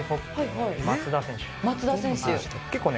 松田選手？